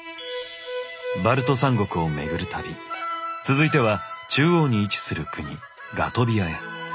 バルト三国をめぐる旅続いては中央に位置する国ラトビアへ。